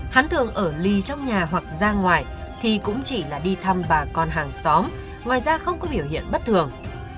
hắn thường ở ly trong nhà hoặc ra ngoài thì cũng chỉ là đi thăm bà con hàng xóm ngoài ra không có biểu hiện bất thường